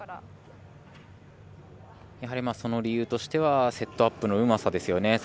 やはり、その理由としてはセットアップのうまさですよね。